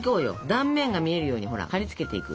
断面が見えるようにはりつけていく。